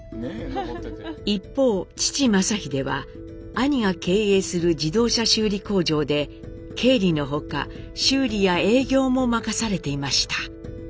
一方父正英は兄が経営する自動車修理工場で経理の他修理や営業も任されていました。